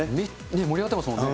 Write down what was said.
盛り上がってますもんね。